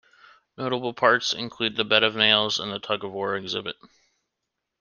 Notable parts include the bed of nails and the tug of war exhibit.